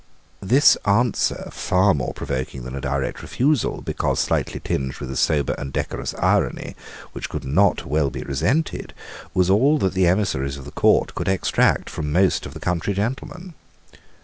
This answer, far more provoking than a direct refusal, because slightly tinged with a sober and decorous irony which could not well be resented, was all that the emissaries of the court could extract from most of the country gentlemen.